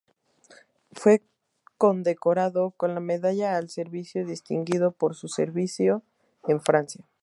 Fue condecorado con la Medalla al Servicio Distinguido por su servicio en Francia.